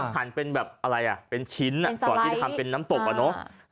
หันเป็นแบบอะไรอ่ะเป็นชิ้นก่อนที่จะทำเป็นน้ำตกอะเนาะ